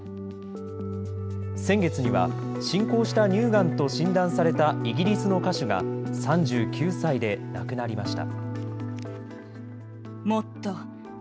先月には、進行した乳がんと診断されたイギリスの歌手が、３９歳で亡くなりました。